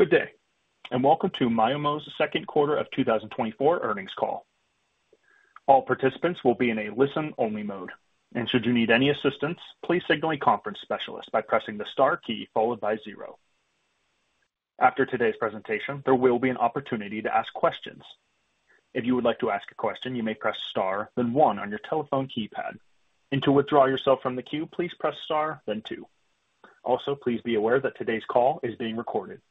Good day, and welcome to Myomo's second quarter of 2024 earnings call. All participants will be in a listen-only mode, and should you need any assistance, please signal a conference specialist by pressing the star key followed by 0. After today's presentation, there will be an opportunity to ask questions. If you would like to ask a question, you may press Star, then 1 on your telephone keypad, and to withdraw yourself from the queue, please press Star, then 2. Also, please be aware that today's call is being recorded.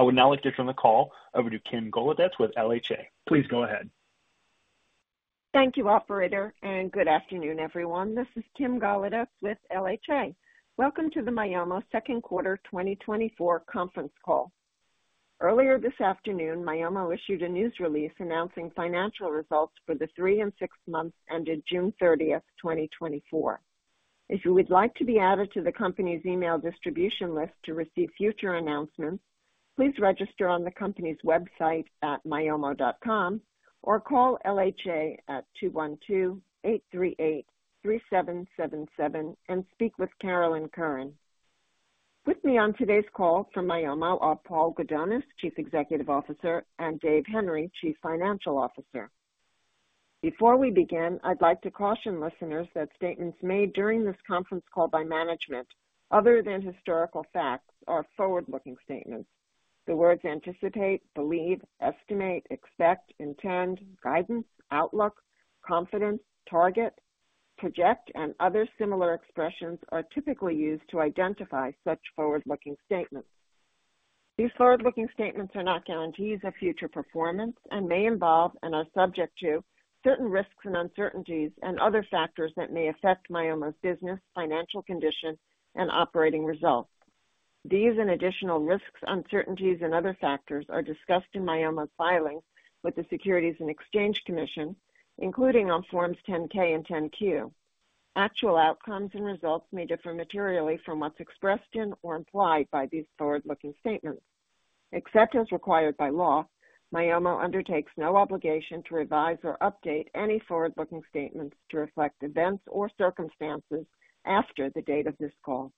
I would now like to turn the call over to Kim Golodetz with LHA. Please go ahead. Thank you, operator, and good afternoon, everyone. This is Kim Golodetz with LHA. Welcome to the Myomo second quarter 2024 conference call. Earlier this afternoon, Myomo issued a news release announcing financial results for the three and six months ended June 30, 2024. If you would like to be added to the company's email distribution list to receive future announcements, please register on the company's website at myomo.com or call LHA at 212-838-3777 and speak with Carolyn Curran. With me on today's call from Myomo are Paul Gudonis, Chief Executive Officer, and Dave Henry, Chief Financial Officer. Before we begin, I'd like to caution listeners that statements made during this conference call by management, other than historical facts, are forward-looking statements. The words anticipate, believe, estimate, expect, intend, guidance, outlook, confidence, target, project, and other similar expressions are typically used to identify such forward-looking statements. These forward-looking statements are not guarantees of future performance and may involve, and are subject to, certain risks and uncertainties and other factors that may affect Myomo's business, financial condition, and operating results. These and additional risks, uncertainties, and other factors are discussed in Myomo's filings with the Securities and Exchange Commission, including on Forms 10-K and 10-Q. Actual outcomes and results may differ materially from what's expressed in or implied by these forward-looking statements. Except as required by law, Myomo undertakes no obligation to revise or update any forward-looking statements to reflect events or circumstances after the date of this call.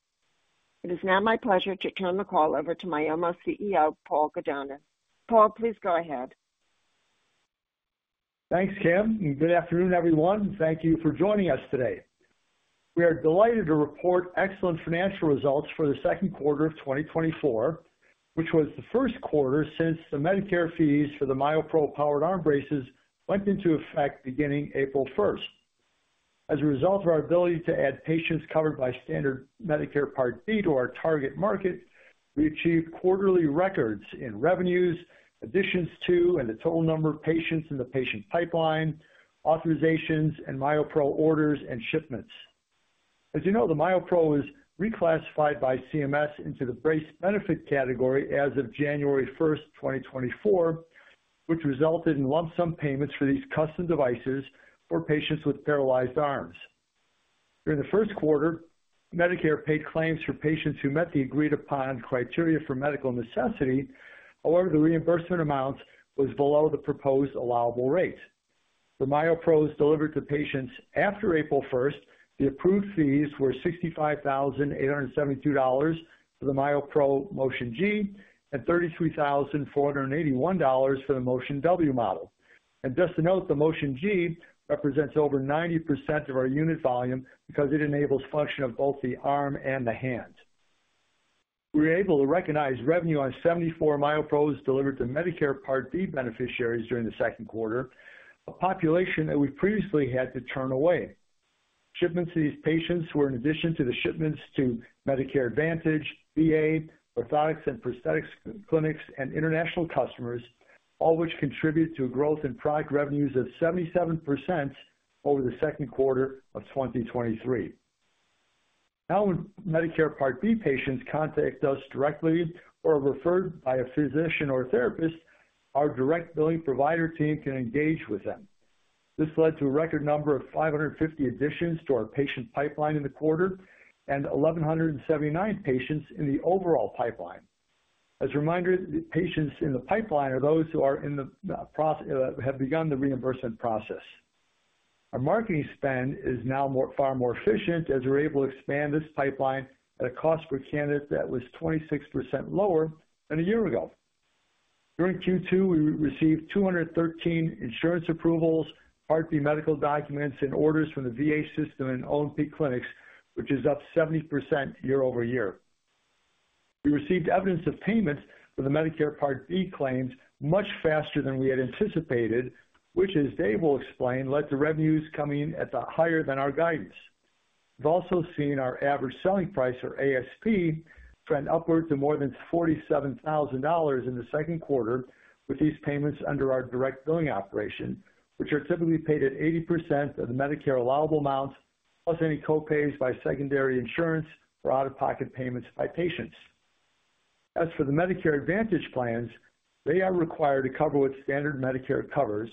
It is now my pleasure to turn the call over to Myomo's CEO, Paul Gudonis. Paul, please go ahead. Thanks, Kim, and good afternoon, everyone. Thank you for joining us today. We are delighted to report excellent financial results for the second quarter of 2024, which was the first quarter since the Medicare fees for the MyoPro powered arm braces went into effect beginning April first. As a result of our ability to add patients covered by standard Medicare Part B to our target market, we achieved quarterly records in revenues, additions to, and the total number of patients in the patient pipeline, authorizations, and MyoPro orders and shipments. As you know, the MyoPro was reclassified by CMS into the Brace Benefit Category as of January first, 2024, which resulted in lump sum payments for these custom devices for patients with paralyzed arms. During the first quarter, Medicare paid claims for patients who met the agreed upon criteria for medical necessity. However, the reimbursement amount was below the proposed allowable rate. For MyoPros delivered to patients after April first, the approved fees were $65,872 for the MyoPro Motion G and $33,481 for the Motion W model. And just to note, the Motion G represents over 90% of our unit volume because it enables function of both the arm and the hand. We were able to recognize revenue on 74 MyoPros delivered to Medicare Part B beneficiaries during the second quarter, a population that we previously had to turn away. Shipments to these patients were in addition to the shipments to Medicare Advantage, VA, orthotics and prosthetics clinics, and international customers, all which contribute to a growth in product revenues of 77% over the second quarter of 2023. Now, when Medicare Part B patients contact us directly or are referred by a physician or therapist, our direct billing provider team can engage with them. This led to a record number of 550 additions to our patient pipeline in the quarter and 1,179 patients in the overall pipeline. As a reminder, the patients in the pipeline are those who are in the process, have begun the reimbursement process. Our marketing spend is now more, far more efficient, as we're able to expand this pipeline at a cost per candidate that was 26% lower than a year ago. During Q2, we received 213 insurance approvals, Part B medical documents and orders from the VA system and O&P clinics, which is up 70% year-over-year. We received evidence of payments for the Medicare Part B claims much faster than we had anticipated, which, as Dave will explain, led to revenues coming in at the higher than our guidance. We've also seen our average selling price, or ASP, trend upwards of more than $47,000 in the second quarter, with these payments under our direct billing operation, which are typically paid at 80% of the Medicare allowable amounts, plus any co-pays by secondary insurance or out-of-pocket payments by patients. As for the Medicare Advantage plans, they are required to cover what standard Medicare covers,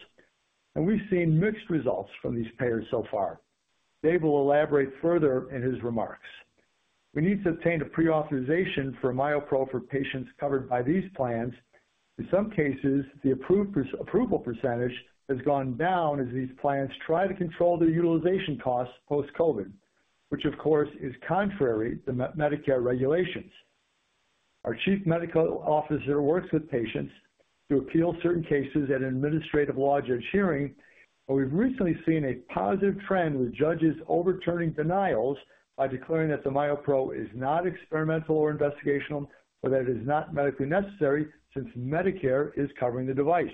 and we've seen mixed results from these payers so far. Dave will elaborate further in his remarks. We need to obtain a pre-authorization for MyoPro for patients covered by these plans. In some cases, the approval percentage has gone down as these plans try to control their utilization costs post-COVID, which of course, is contrary to Medicare regulations. Our Chief Medical Officer works with patients to appeal certain cases at an administrative law judge hearing, but we've recently seen a positive trend with judges overturning denials by declaring that the MyoPro is not experimental or investigational, or that it is not medically necessary since Medicare is covering the device.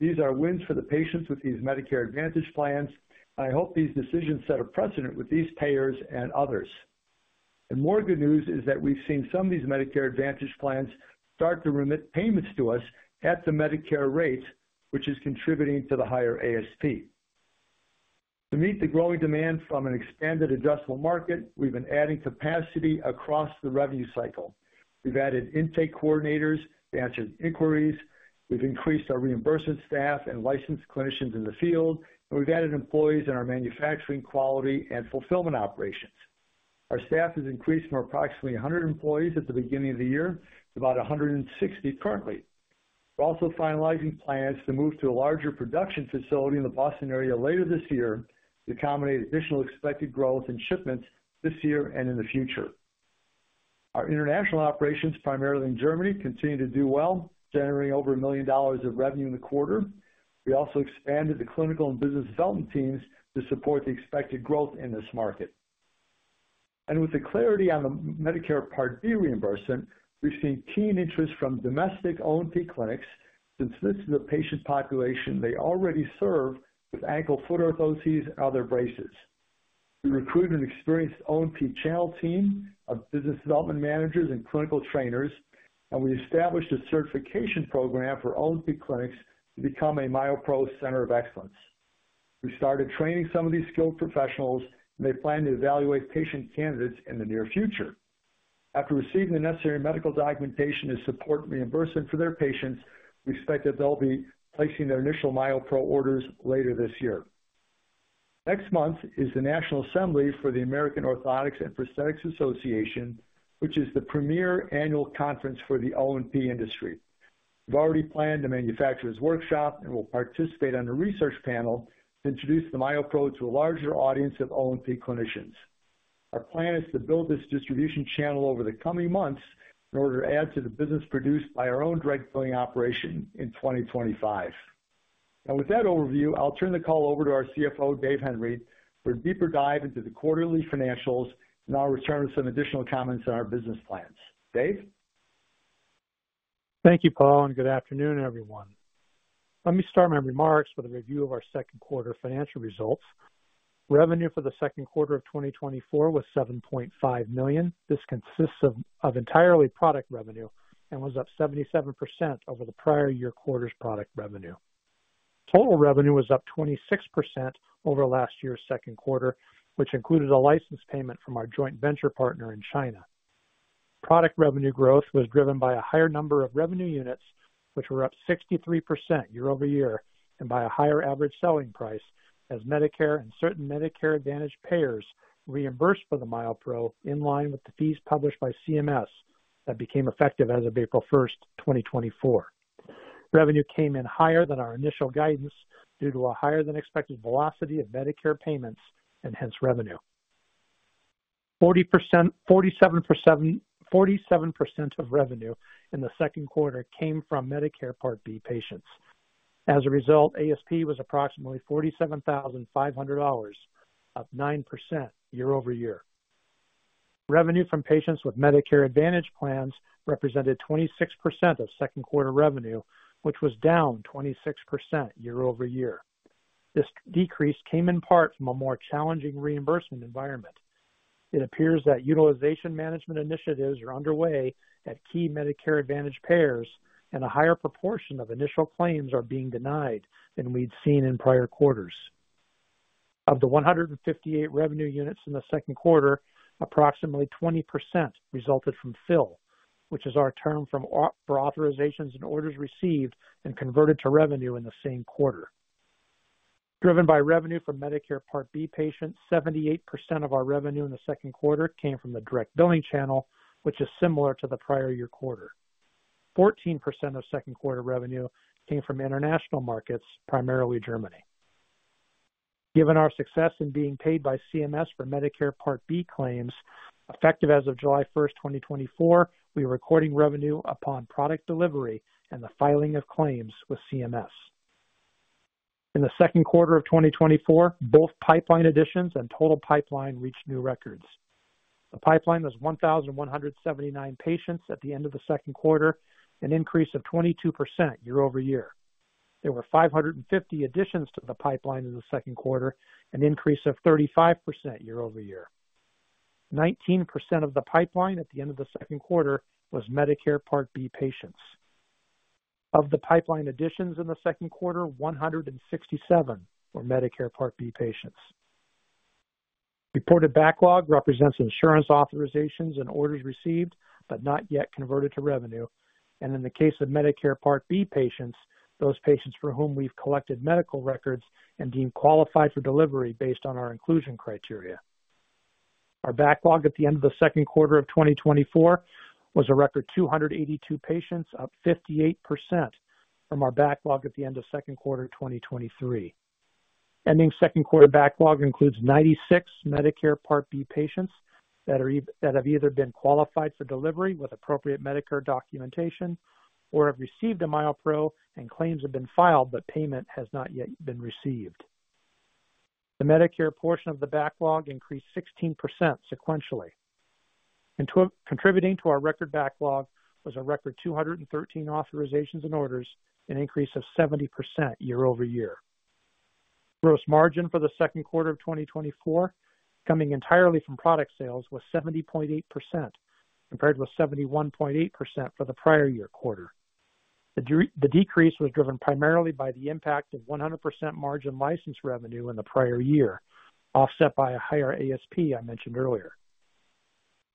These are wins for the patients with these Medicare Advantage plans. I hope these decisions set a precedent with these payers and others. And more good news is that we've seen some of these Medicare Advantage plans start to remit payments to us at the Medicare rates, which is contributing to the higher ASP. To meet the growing demand from an expanded adjustable market, we've been adding capacity across the revenue cycle. We've added intake coordinators to answer inquiries, we've increased our reimbursement staff and licensed clinicians in the field, and we've added employees in our manufacturing, quality, and fulfillment operations. Our staff has increased from approximately 100 employees at the beginning of the year to about 160 currently. We're also finalizing plans to move to a larger production facility in the Boston area later this year to accommodate additional expected growth in shipments this year and in the future. Our international operations, primarily in Germany, continue to do well, generating over $1 million of revenue in the quarter. We also expanded the clinical and business development teams to support the expected growth in this market. With the clarity on the Medicare Part B reimbursement, we've seen keen interest from domestic O&P clinics since this is a patient population they already serve with ankle foot orthoses and other braces. We recruited an experienced O&P channel team of business development managers and clinical trainers, and we established a certification program for O&P clinics to become a MyoPro Center of Excellence. We started training some of these skilled professionals, and they plan to evaluate patient candidates in the near future. After receiving the necessary medical documentation to support reimbursement for their patients, we expect that they'll be placing their initial MyoPro orders later this year. Next month is the National Assembly for the American Orthotic & Prosthetic Association, which is the premier annual conference for the O&P industry. We've already planned a manufacturer's workshop and will participate on the research panel to introduce the MyoPro to a larger audience of O&P clinicians. Our plan is to build this distribution channel over the coming months in order to add to the business produced by our own direct billing operation in 2025. With that overview, I'll turn the call over to our CFO, Dave Henry, for a deeper dive into the quarterly financials, and I'll return with some additional comments on our business plans. Dave? Thank you, Paul, and good afternoon, everyone. Let me start my remarks with a review of our second quarter financial results. Revenue for the second quarter of 2024 was $7.5 million. This consists of entirely product revenue and was up 77% over the prior year quarter's product revenue. Total revenue was up 26% over last year's second quarter, which included a license payment from our joint venture partner in China. Product revenue growth was driven by a higher number of revenue units, which were up 63% year-over-year, and by a higher average selling price, as Medicare and certain Medicare Advantage payers reimbursed for the MyoPro in line with the fees published by CMS that became effective as of April 1, 2024. Revenue came in higher than our initial guidance due to a higher than expected velocity of Medicare payments and hence revenue. 40%-- 47%, 47% of revenue in the second quarter came from Medicare Part B patients. As a result, ASP was approximately $47,500, up 9% year-over-year. Revenue from patients with Medicare Advantage plans represented 26% of second quarter revenue, which was down 26% year-over-year. This decrease came in part from a more challenging reimbursement environment. It appears that utilization management initiatives are underway at key Medicare Advantage payers, and a higher proportion of initial claims are being denied than we'd seen in prior quarters. Of the 158 revenue units in the second quarter, approximately 20% resulted from fill, which is our term for authorizations and orders received and converted to revenue in the same quarter. Driven by revenue from Medicare Part B patients, 78% of our revenue in the second quarter came from the direct billing channel, which is similar to the prior year quarter. 14% of second quarter revenue came from international markets, primarily Germany. Given our success in being paid by CMS for Medicare Part B claims, effective as of July 1, 2024, we are recording revenue upon product delivery and the filing of claims with CMS. In the second quarter of 2024, both pipeline additions and total pipeline reached new records. The pipeline was 1,179 patients at the end of the second quarter, an increase of 22% year-over-year. There were 550 additions to the pipeline in the second quarter, an increase of 35% year-over-year. 19% of the pipeline at the end of the second quarter was Medicare Part B patients. Of the pipeline additions in the second quarter, 167 were Medicare Part B patients. Reported backlog represents insurance, authorizations, and orders received, but not yet converted to revenue, and in the case of Medicare Part B patients, those patients for whom we've collected medical records and deemed qualified for delivery based on our inclusion criteria.... Our backlog at the end of the second quarter of 2024 was a record 282 patients, up 58% from our backlog at the end of second quarter 2023. Ending second quarter backlog includes 96 Medicare Part B patients that have either been qualified for delivery with appropriate Medicare documentation or have received a MyoPro and claims have been filed, but payment has not yet been received. The Medicare portion of the backlog increased 16% sequentially. Contributing to our record backlog was a record 213 authorizations and orders, an increase of 70% year-over-year. Gross margin for the second quarter of 2024, coming entirely from product sales, was 70.8%, compared with 71.8% for the prior year quarter. The decrease was driven primarily by the impact of 100% margin license revenue in the prior year, offset by a higher ASP I mentioned earlier.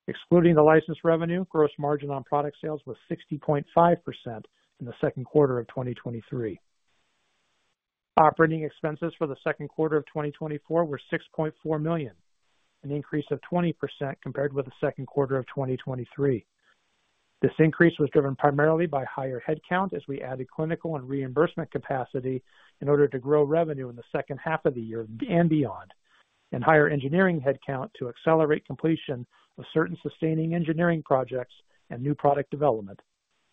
Excluding the license revenue, gross margin on product sales was 60.5% in the second quarter of 2023. Operating expenses for the second quarter of 2024 were $6.4 million, an increase of 20% compared with the second quarter of 2023. This increase was driven primarily by higher headcount as we added clinical and reimbursement capacity in order to grow revenue in the second half of the year and beyond, and higher engineering headcount to accelerate completion of certain sustaining engineering projects and new product development,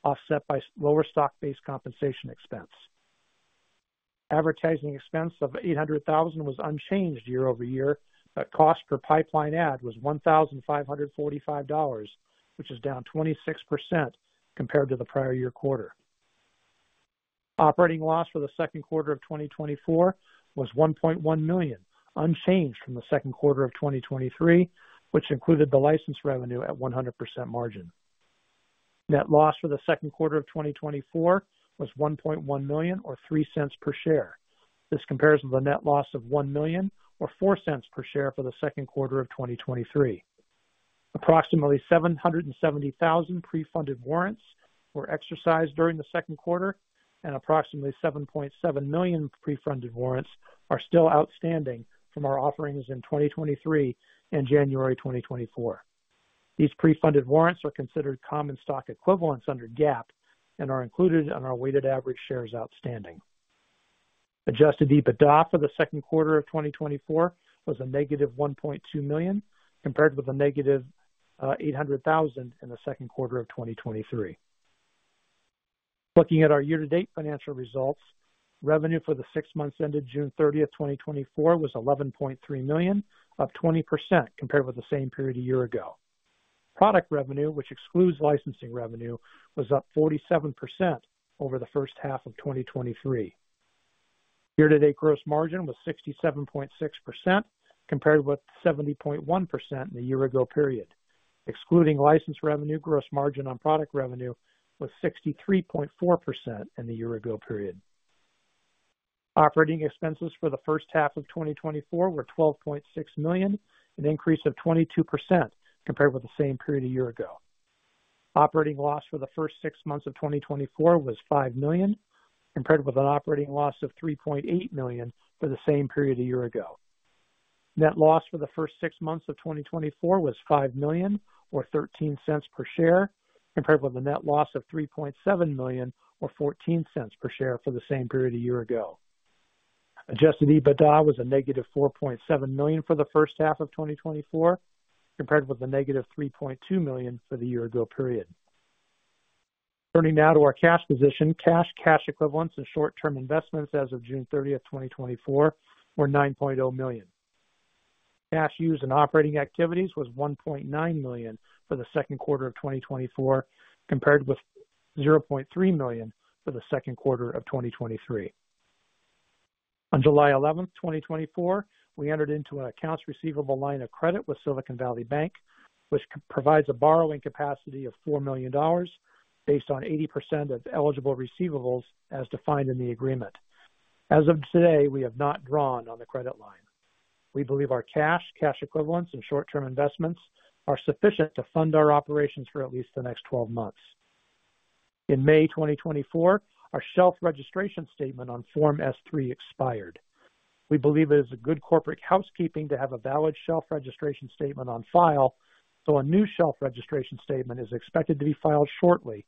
offset by lower stock-based compensation expense. Advertising expense of $800,000 was unchanged year-over-year, but cost per pipeline ad was $1,545, which is down 26% compared to the prior year quarter. Operating loss for the second quarter of 2024 was $1.1 million, unchanged from the second quarter of 2023, which included the license revenue at 100% margin. Net loss for the second quarter of 2024 was $1.1 million, or $0.03 per share. This compares with a net loss of $1 million or $0.04 per share for the second quarter of 2023. Approximately 770,000 pre-funded warrants were exercised during the second quarter, and approximately 7.7 million pre-funded warrants are still outstanding from our offerings in 2023 and January 2024. These pre-funded warrants are considered common stock equivalents under GAAP and are included on our weighted average shares outstanding. Adjusted EBITDA for the second quarter of 2024 was -$1.2 million, compared with -$800,000 in the second quarter of 2023. Looking at our year-to-date financial results, revenue for the six months ended June 30, 2024, was $11.3 million, up 20% compared with the same period a year ago. Product revenue, which excludes licensing revenue, was up 47% over the first half of 2023. Year-to-date gross margin was 67.6%, compared with 70.1% in the year ago period. Excluding license revenue, gross margin on product revenue was 63.4% in the year ago period. Operating expenses for the first half of 2024 were $12.6 million, an increase of 22% compared with the same period a year ago. Operating loss for the first six months of 2024 was $5 million, compared with an operating loss of $3.8 million for the same period a year ago. Net loss for the first six months of 2024 was $5 million or $0.13 per share, compared with a net loss of $3.7 million or $0.14 per share for the same period a year ago. Adjusted EBITDA was -$4.7 million for the first half of 2024, compared with -$3.2 million for the year-ago period. Turning now to our cash position. Cash, cash equivalents, and short-term investments as of June 30, 2024, were $9.0 million. Cash used in operating activities was $1.9 million for the second quarter of 2024, compared with $0.3 million for the second quarter of 2023. On July 11, 2024, we entered into an accounts receivable line of credit with Silicon Valley Bank, which provides a borrowing capacity of $4 million based on 80% of eligible receivables as defined in the agreement. As of today, we have not drawn on the credit line. We believe our cash, cash equivalents and short-term investments are sufficient to fund our operations for at least the next 12 months. In May 2024, our shelf registration statement on Form S-3 expired. We believe it is a good corporate housekeeping to have a valid shelf registration statement on file, so a new shelf registration statement is expected to be filed shortly,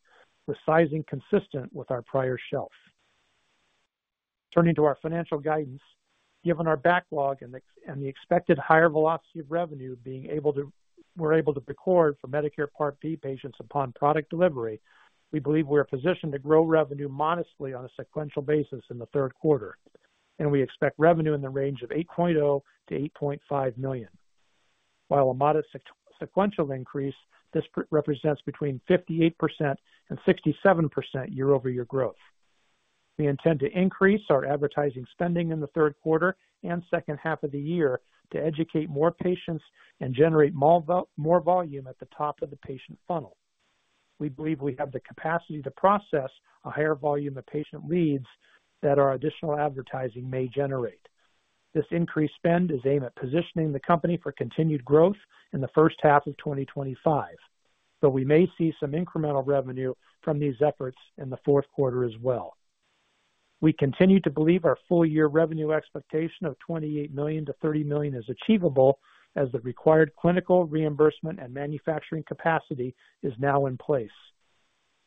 for sizing consistent with our prior shelf. Turning to our financial guidance. Given our backlog and the expected higher velocity of revenue, we're able to record for Medicare Part B patients upon product delivery, we believe we are positioned to grow revenue modestly on a sequential basis in the third quarter, and we expect revenue in the range of $8.0 million-$8.5 million. While a modest sequential increase, this represents between 58% and 67% year-over-year growth. We intend to increase our advertising spending in the third quarter and second half of the year to educate more patients and generate more volume at the top of the patient funnel. We believe we have the capacity to process a higher volume of patient leads that our additional advertising may generate. This increased spend is aimed at positioning the company for continued growth in the first half of 2025, but we may see some incremental revenue from these efforts in the fourth quarter as well. We continue to believe our full year revenue expectation of $28 million-$30 million is achievable, as the required clinical reimbursement and manufacturing capacity is now in place.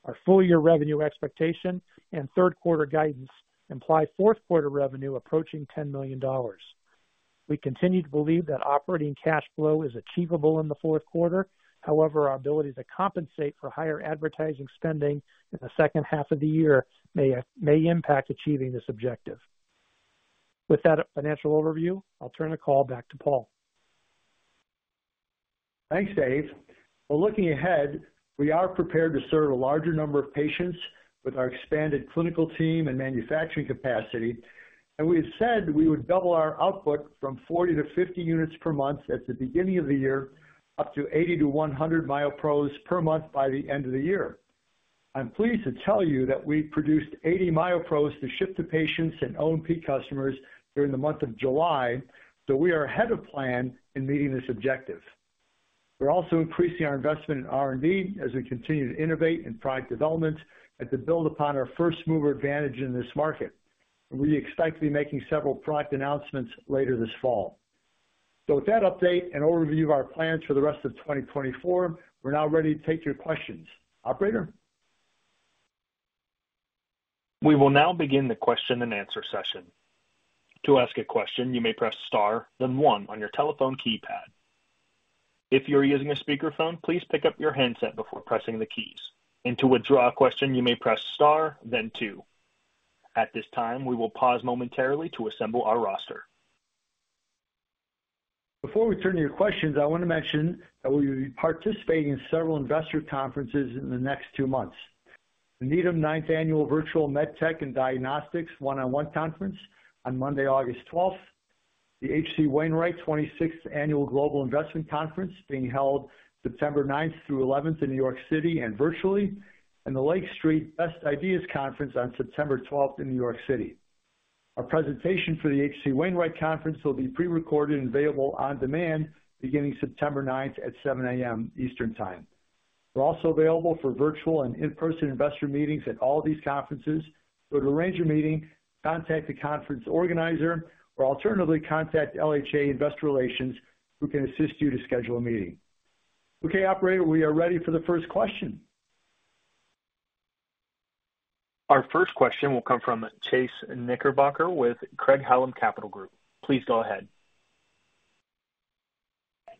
Our full year revenue expectation and third quarter guidance imply fourth quarter revenue approaching $10 million. We continue to believe that operating cash flow is achievable in the fourth quarter. However, our ability to compensate for higher advertising spending in the second half of the year may impact achieving this objective. With that financial overview, I'll turn the call back to Paul. Thanks, Dave. Well, looking ahead, we are prepared to serve a larger number of patients with our expanded clinical team and manufacturing capacity, and we have said we would double our output from 40-50 units per month at the beginning of the year, up to 80-100 MyoPros per month by the end of the year. I'm pleased to tell you that we produced 80 MyoPros to ship to patients and O&P customers during the month of July, so we are ahead of plan in meeting this objective. We're also increasing our investment in R&D as we continue to innovate in product development and to build upon our first-mover advantage in this market. We expect to be making several product announcements later this fall. So with that update and overview of our plans for the rest of 2024, we're now ready to take your questions. Operator? We will now begin the question-and-answer session. To ask a question, you may press star, then one on your telephone keypad. If you are using a speakerphone, please pick up your handset before pressing the keys, and to withdraw a question, you may press star then two. At this time, we will pause momentarily to assemble our roster. Before we turn to your questions, I want to mention that we will be participating in several investor conferences in the next two months. The Needham Ninth Annual Virtual MedTech and Diagnostics One-on-One Conference on Monday, August twelfth. The H.C. Wainwright Twenty-Sixth Annual Global Investment Conference, being held September ninth through eleventh in New York City and virtually, and the Lake Street Best Ideas Conference on September twelfth in New York City. Our presentation for the H.C. Wainwright Conference will be pre-recorded and available on demand beginning September ninth at 7 A.M. Eastern Time. We're also available for virtual and in-person investor meetings at all these conferences. So to arrange a meeting, contact the conference organizer or alternatively, contact LHA Investor Relations, who can assist you to schedule a meeting. Okay, operator, we are ready for the first question. Our first question will come from Chase Knickerbocker with Craig-Hallum Capital Group. Please go ahead.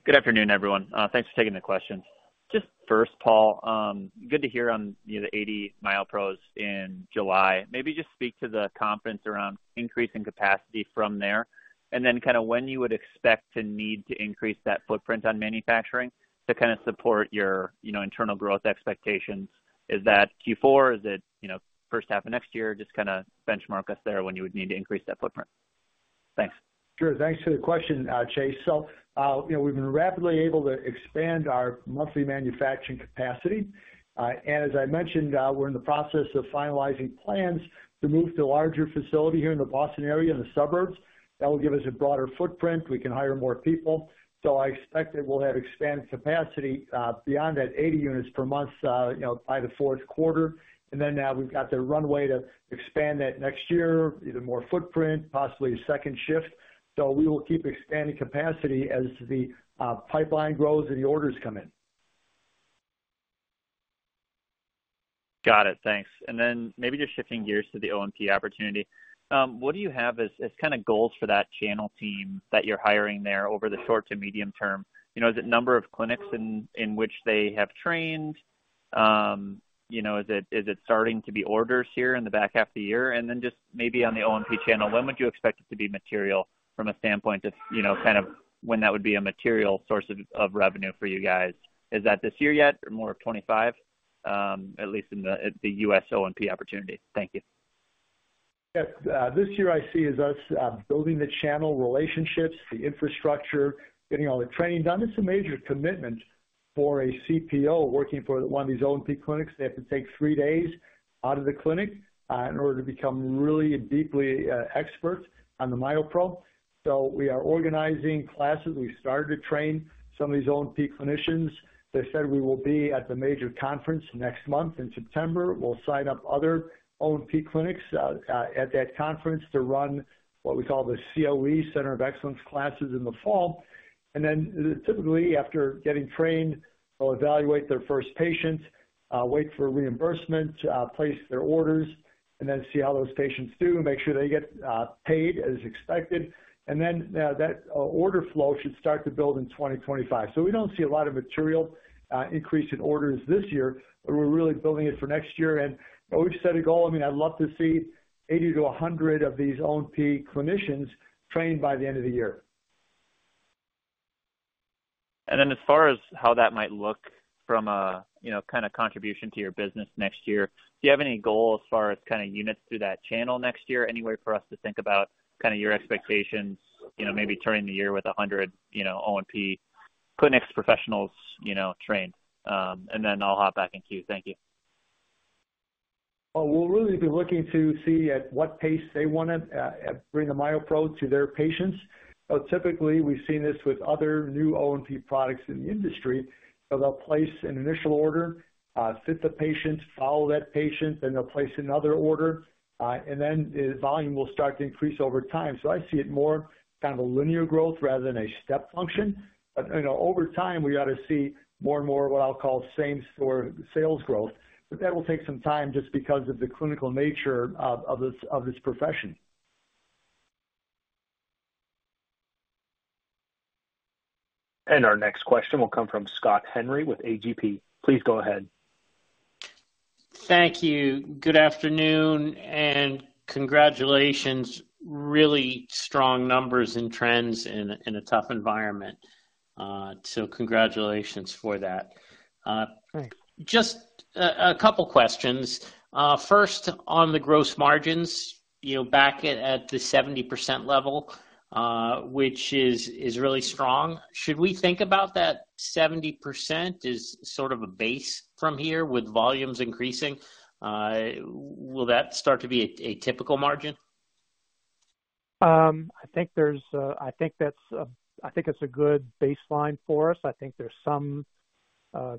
Good afternoon, everyone. Thanks for taking the questions. Just first, Paul, good to hear on, you know, the 80 MyoPros in July. Maybe just speak to the confidence around increasing capacity from there, and then kind of when you would expect to need to increase that footprint on manufacturing to kind of support your, you know, internal growth expectations. Is that Q4? Is it, you know, first half of next year? Just kind of benchmark us there when you would need to increase that footprint. Thanks. Sure. Thanks for the question, Chase. So, you know, we've been rapidly able to expand our monthly manufacturing capacity. And as I mentioned, we're in the process of finalizing plans to move to a larger facility here in the Boston area, in the suburbs. That will give us a broader footprint. We can hire more people. So I expect that we'll have expanded capacity beyond that 80 units per month, you know, by the fourth quarter. And then, we've got the runway to expand that next year, either more footprint, possibly a second shift. So we will keep expanding capacity as the pipeline grows and the orders come in. Got it. Thanks. And then maybe just shifting gears to the O&P opportunity. What do you have as kind of goals for that channel team that you're hiring there over the short to medium term? You know, is it number of clinics in which they have trained? You know, is it starting to be orders here in the back half of the year? And then just maybe on the O&P channel, when would you expect it to be material from a standpoint of, you know, kind of when that would be a material source of revenue for you guys? Is that this year yet or more of 2025, at least in the U.S. O&P opportunity? Thank you. Yes. This year I see is us building the channel relationships, the infrastructure, getting all the training done. It's a major commitment for a CPO working for one of these O&P clinics. They have to take three days out of the clinic in order to become really deeply expert on the MyoPro. So we are organizing classes. We started to train some of these O&P clinicians. They said we will be at the major conference next month, in September. We'll sign up other O&P clinics at that conference to run what we call the COE, Center of Excellence, classes in the fall. And then typically, after getting trained, they'll evaluate their first patients, wait for reimbursement, place their orders, and then see how those patients do and make sure they get paid as expected. Then order flow should start to build in 2025. We don't see a lot of material increase in orders this year, but we're really building it for next year. We've set a goal. I mean, I'd love to see 80-100 of these O&P clinicians trained by the end of the year. And then as far as how that might look from a, you know, kind of contribution to your business next year, do you have any goal as far as kind of units through that channel next year? Any way for us to think about kind of your expectations, you know, maybe turning the year with 100, you know, O&P clinics, professionals, you know, trained? And then I'll hop back in queue. Thank you.... Well, we'll really be looking to see at what pace they want to bring the MyoPro to their patients. But typically, we've seen this with other new O&P products in the industry. So they'll place an initial order, fit the patient, follow that patient, then they'll place another order, and then the volume will start to increase over time. So I see it more kind of a linear growth rather than a step function. But, you know, over time, we ought to see more and more what I'll call same store sales growth, but that will take some time just because of the clinical nature of this profession. Our next question will come from Scott Henry with A.G.P. Please go ahead. Thank you. Good afternoon, and congratulations. Really strong numbers and trends in a tough environment. So congratulations for that. Thanks. Just a couple questions. First, on the gross margins, you know, back at the 70% level, which is really strong. Should we think about that 70% as sort of a base from here with volumes increasing? Will that start to be a typical margin? I think that's a good baseline for us. I think there's some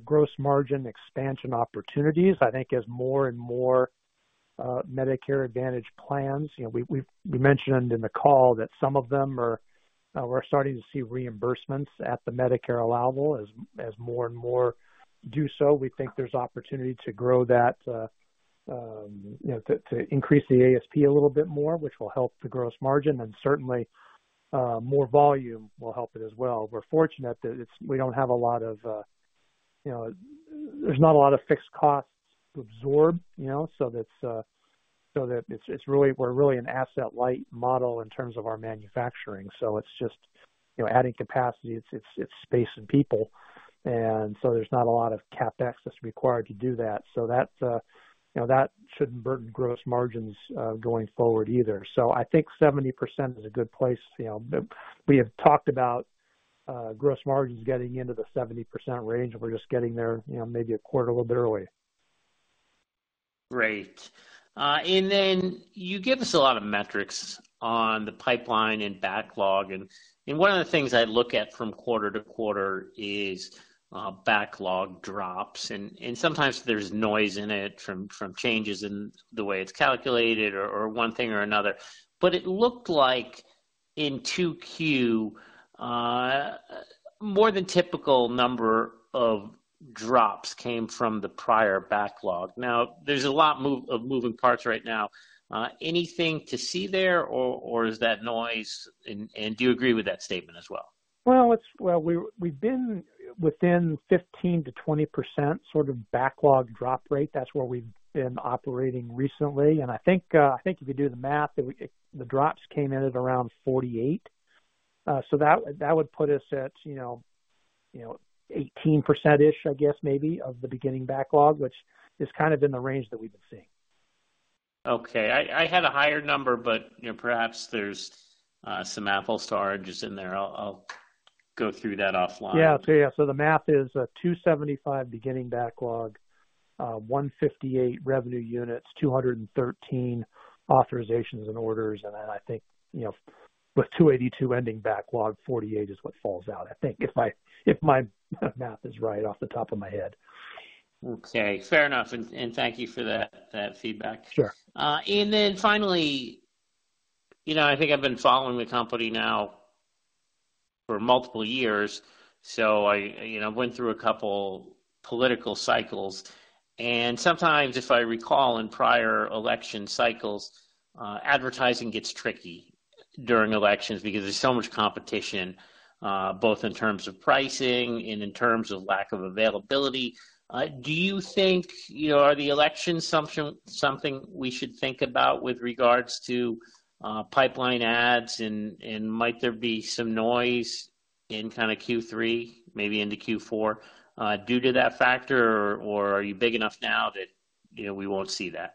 gross margin expansion opportunities. I think as more and more Medicare Advantage plans, you know, we mentioned in the call that some of them are, we're starting to see reimbursements at the Medicare allowable. As more and more do so, we think there's opportunity to grow that, you know, to increase the ASP a little bit more, which will help the gross margin, and certainly more volume will help it as well. We're fortunate that it's we don't have a lot of, you know, there's not a lot of fixed costs to absorb, you know, so that's, so that it's, it's really we're really an asset-light model in terms of our manufacturing, so it's just, you know, adding capacity. It's, it's space and people, and so there's not a lot of CapEx that's required to do that. So that, you know, that shouldn't burden gross margins, going forward either. So I think 70% is a good place. You know, we have talked about, gross margins getting into the 70% range, and we're just getting there, you know, maybe a quarter a little bit early. Great. And then you give us a lot of metrics on the pipeline and backlog, and one of the things I look at from quarter to quarter is backlog drops, and sometimes there's noise in it from changes in the way it's calculated or one thing or another. But it looked like in 2Q, more than typical number of drops came from the prior backlog. Now, there's a lot of moving parts right now. Anything to see there, or is that noise? And do you agree with that statement as well? Well, we, we've been within 15%-20% sort of backlog drop rate. That's where we've been operating recently, and I think, I think if you do the math, the drops came in at around 48. So that would put us at, you know, 18%-ish, I guess, maybe, of the beginning backlog, which is kind of in the range that we've been seeing. Okay. I had a higher number, but, you know, perhaps there's some apples to oranges in there. I'll go through that offline. Yeah. So yeah, so the math is, 275 beginning backlog, 158 revenue units, 213 authorizations and orders, and then I think, you know, with 282 ending backlog, 48 is what falls out. I think, if my, if my math is right off the top of my head. Okay, fair enough. And thank you for that feedback. Sure. And then finally, you know, I think I've been following the company now for multiple years, so I, you know, went through a couple political cycles, and sometimes, if I recall, in prior election cycles, advertising gets tricky during elections because there's so much competition, both in terms of pricing and in terms of lack of availability. Do you think, you know, are the elections something, something we should think about with regards to, pipeline ads? And, and might there be some noise in kind of Q3, maybe into Q4, due to that factor? Or are you big enough now that, you know, we won't see that?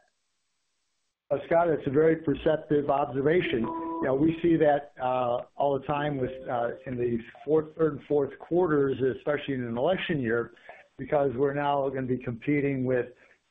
Scott, that's a very perceptive observation. You know, we see that all the time with in the third and fourth quarters, especially in an election year, because we're now gonna be competing with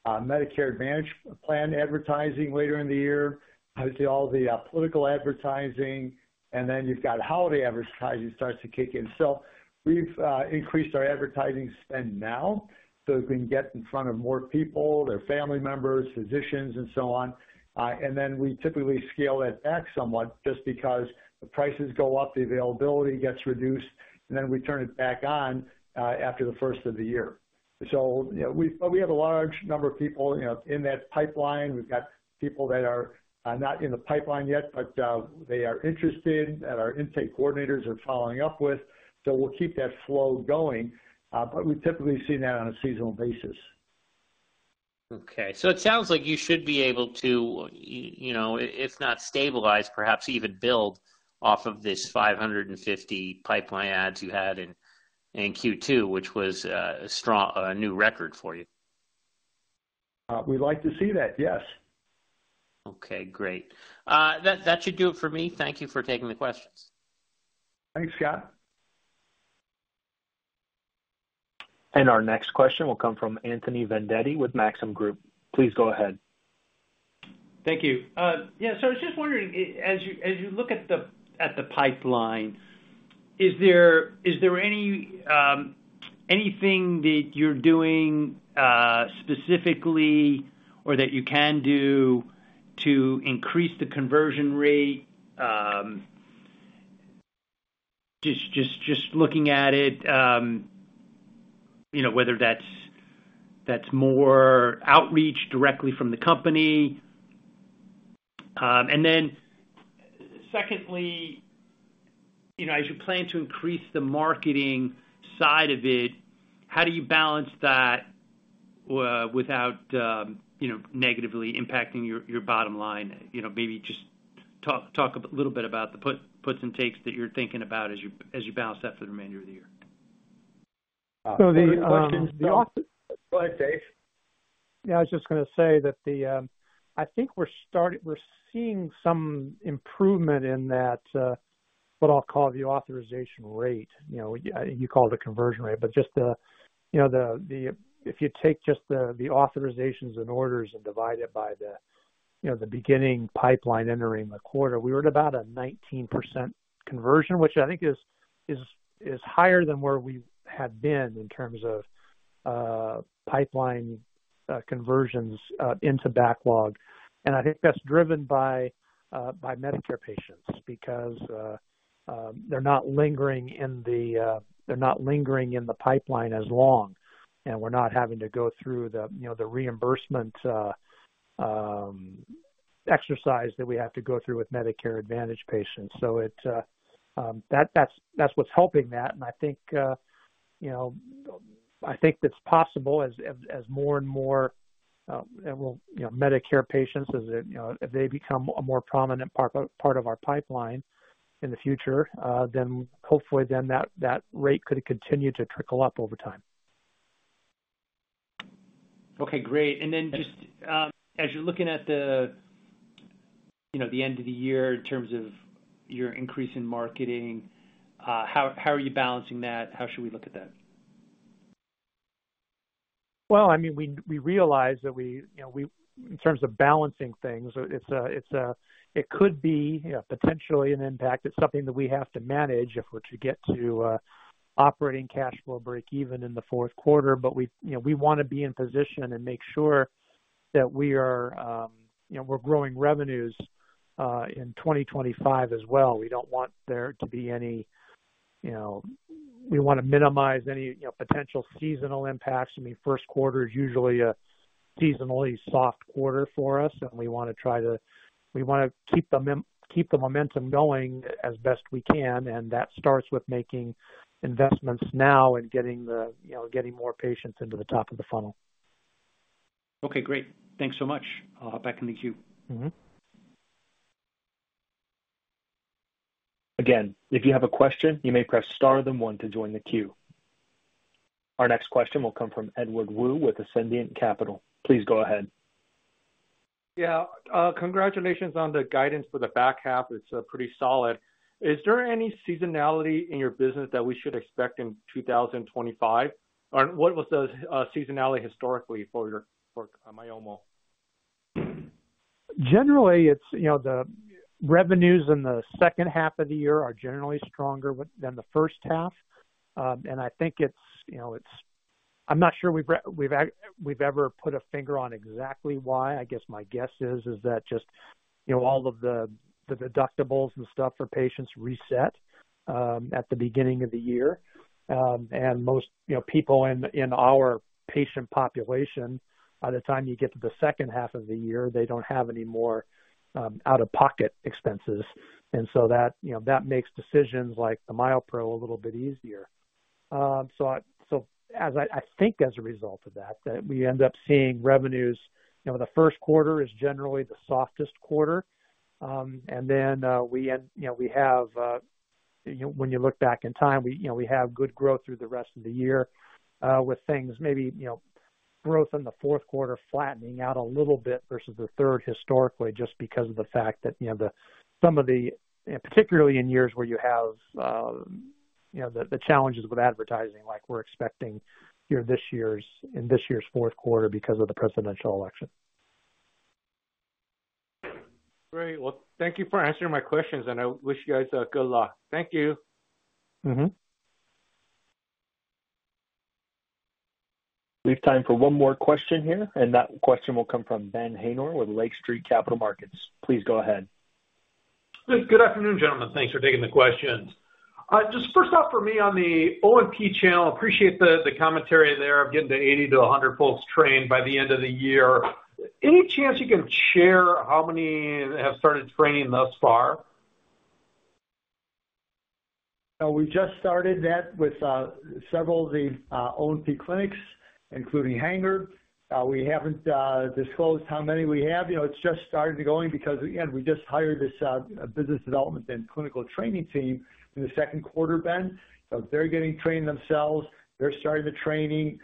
Medicare Advantage plan advertising later in the year, obviously, all the political advertising, and then you've got holiday advertising starts to kick in. So we've increased our advertising spend now so we can get in front of more people, their family members, physicians, and so on. And then we typically scale it back somewhat just because the prices go up, the availability gets reduced, and then we turn it back on after the first of the year. So, you know, we, we have a large number of people, you know, in that pipeline. We've got people that are not in the pipeline yet, but they are interested, and our intake coordinators are following up with, so we'll keep that flow going, but we typically see that on a seasonal basis. Okay, so it sounds like you should be able to, you know, if not stabilize, perhaps even build off of this 550 pipeline ads you had in Q2, which was a strong, a new record for you. We'd like to see that, yes. Okay, great. That should do it for me. Thank you for taking the questions. Thanks, Scott.... And our next question will come from Anthony Vendetti with Maxim Group. Please go ahead. Thank you. Yeah, so I was just wondering, as you look at the pipeline, is there any anything that you're doing specifically or that you can do to increase the conversion rate? Just looking at it, you know, whether that's more outreach directly from the company. And then secondly, you know, as you plan to increase the marketing side of it, how do you balance that without negatively impacting your bottom line? You know, maybe just talk a little bit about the puts and takes that you're thinking about as you balance that for the remainder of the year. So the Go ahead, Dave. Yeah, I was just going to say that the, I think we're seeing some improvement in that, what I'll call the authorization rate. You know, you call it the conversion rate, but just the, you know, the, the-- if you take just the authorizations and orders and divide it by the, you know, the beginning pipeline entering the quarter, we were at about a 19% conversion, which I think is higher than where we had been in terms of, pipeline, conversions, into backlog. And I think that's driven by, by Medicare patients because, they're not lingering in the pipeline as long, and we're not having to go through the, you know, the reimbursement, exercise that we have to go through with Medicare Advantage patients. So that's, that's what's helping that. And I think, you know, I think it's possible as more and more, you know, Medicare patients as they become a more prominent part of our pipeline in the future, then hopefully that rate could continue to trickle up over time. Okay, great. And then just, as you're looking at the, you know, the end of the year in terms of your increase in marketing, how are you balancing that? How should we look at that? Well, I mean, we realize that we, you know, we in terms of balancing things, it's a it could be, you know, potentially an impact. It's something that we have to manage if we're to get to operating cash flow break even in the fourth quarter. But we, you know, we want to be in position and make sure that we are, you know, we're growing revenues in 2025 as well. We don't want there to be any, you know. We want to minimize any, you know, potential seasonal impacts. I mean, first quarter is usually a seasonally soft quarter for us, and we want to keep the momentum going as best we can, and that starts with making investments now and getting more patients into the top of the funnel. Okay, great. Thanks so much. I'll hop back in the queue. Mm-hmm. Again, if you have a question, you may press Star, then one to join the queue. Our next question will come from Edward Woo with Ascendiant Capital. Please go ahead. Yeah, congratulations on the guidance for the back half. It's pretty solid. Is there any seasonality in your business that we should expect in 2025? Or what was the seasonality historically for your, for Myomo? Generally, it's, you know, the revenues in the second half of the year are generally stronger than the first half. And I think it's, you know, it's. I'm not sure we've ever put a finger on exactly why. I guess my guess is that just, you know, all of the deductibles and stuff for patients reset at the beginning of the year. And most, you know, people in our patient population, by the time you get to the second half of the year, they don't have any more out-of-pocket expenses. And so that, you know, that makes decisions like the MyoPro a little bit easier. So I think as a result of that, we end up seeing revenues, you know, the first quarter is generally the softest quarter. And then, we end, you know, we have, you know, when you look back in time, we, you know, we have good growth through the rest of the year, with things maybe, you know, growth in the fourth quarter flattening out a little bit versus the third historically, just because of the fact that, you know, the, some of the, particularly in years where you have, you know, the, the challenges with advertising, like we're expecting here, this year's, in this year's fourth quarter because of the presidential election. Great. Well, thank you for answering my questions, and I wish you guys good luck. Thank you. Mm-hmm. We have time for one more question here, and that question will come from Ben Haynor with Lake Street Capital Markets. Please go ahead. Good afternoon, gentlemen. Thanks for taking the questions. Just first off, for me, on the O&P channel, appreciate the commentary there of getting to 80-100 folks trained by the end of the year. Any chance you can share how many have started training thus far? We just started that with several of the O&P clinics, including Hanger. We haven't disclosed how many we have. You know, it's just started going because, again, we just hired this business development and clinical training team in the second quarter, Ben. So they're getting trained themselves. They're starting the training.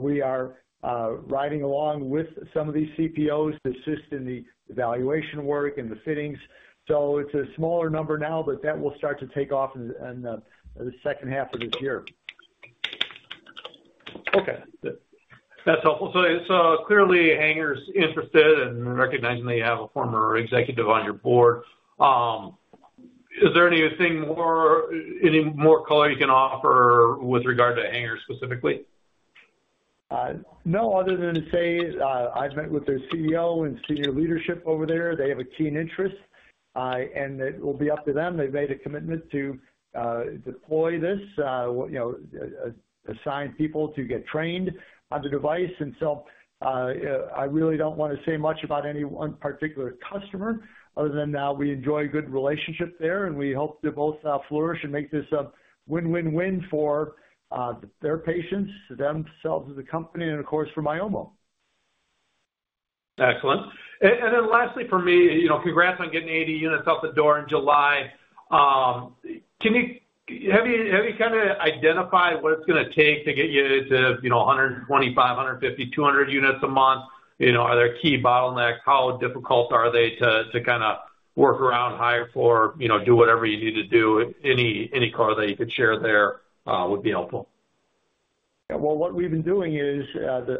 We are riding along with some of these CPOs to assist in the evaluation work and the fittings. So it's a smaller number now, but that will start to take off in the second half of this year.... Okay, good. That's helpful. So, so clearly, Hanger's interested and recognizing that you have a former executive on your board. Is there anything more, any more color you can offer with regard to Hanger specifically? No, other than to say, I've met with their CEO and senior leadership over there. They have a keen interest, and it will be up to them. They've made a commitment to deploy this, you know, assign people to get trained on the device. And so, I really don't wanna say much about any one particular customer other than we enjoy a good relationship there, and we hope to both flourish and make this a win-win-win for their patients, themselves as a company, and of course, for Myomo. Excellent. And then lastly for me, you know, congrats on getting 80 units out the door in July. Can you—have you kinda identified what it's gonna take to get you to, you know, 125, 150, 200 units a month? You know, are there key bottlenecks? How difficult are they to kinda work around, hire for, you know, do whatever you need to do? Any color that you could share there would be helpful. Yeah. Well, what we've been doing is,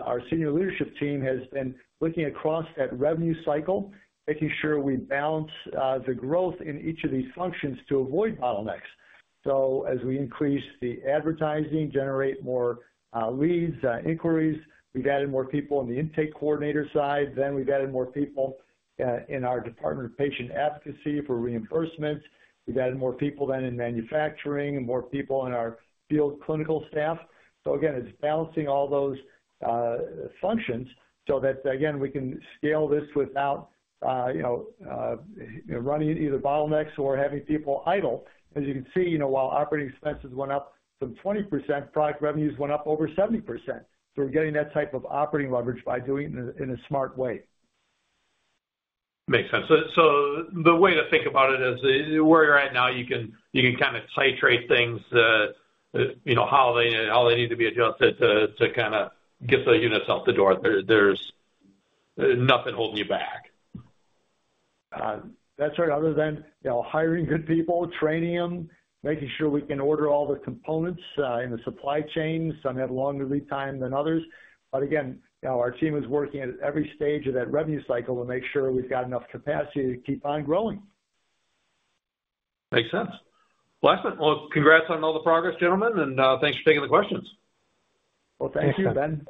our senior leadership team has been looking across that revenue cycle, making sure we balance the growth in each of these functions to avoid bottlenecks. So as we increase the advertising, generate more leads, inquiries, we've added more people on the intake coordinator side. Then we've added more people in our Department of Patient Advocacy for reimbursements. We've added more people than in manufacturing and more people in our field clinical staff. So again, it's balancing all those functions so that, again, we can scale this without, you know, running either bottlenecks or having people idle. As you can see, you know, while operating expenses went up from 20%, product revenues went up over 70%. So we're getting that type of operating leverage by doing it in a smart way. Makes sense. So, the way to think about it is, where you're at now, you can kinda titrate things, you know, how they need to be adjusted to kinda get the units out the door. There's nothing holding you back. That's right. Other than, you know, hiring good people, training them, making sure we can order all the components in the supply chain. Some have longer lead time than others. But again, our team is working at every stage of that revenue cycle to make sure we've got enough capacity to keep on growing. Makes sense. Well, excellent. Well, congrats on all the progress, gentlemen, and thanks for taking the questions. Well, thank you, Ben.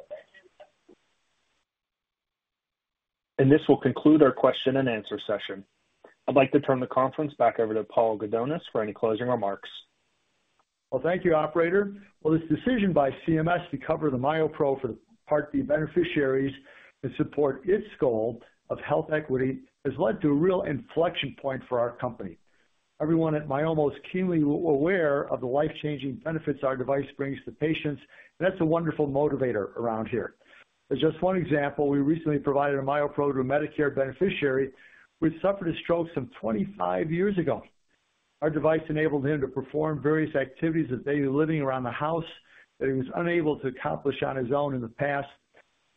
This will conclude our question and answer session. I'd like to turn the conference back over to Paul Gudonis for any closing remarks. Well, thank you, operator. Well, this decision by CMS to cover the MyoPro for the Part B beneficiaries and support its goal of health equity has led to a real inflection point for our company. Everyone at Myomo is keenly aware of the life-changing benefits our device brings to patients, and that's a wonderful motivator around here. As just one example, we recently provided a MyoPro to a Medicare beneficiary who suffered a stroke some 25 years ago. Our device enabled him to perform various activities of daily living around the house that he was unable to accomplish on his own in the past.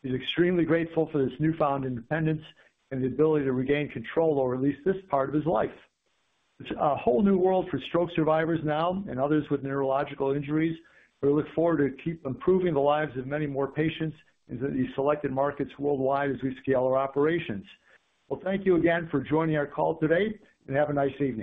He's extremely grateful for this newfound independence and the ability to regain control over at least this part of his life. It's a whole new world for stroke survivors now and others with neurological injuries, but we look forward to keep improving the lives of many more patients into these selected markets worldwide as we scale our operations. Well, thank you again for joining our call today, and have a nice evening.